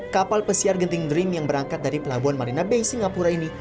kapal pesiar genting dream yang berangkat dari pelabuhan marina bay singapura ini